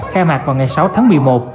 khai mạc vào ngày sáu tháng một mươi một